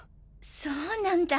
そうなんだ。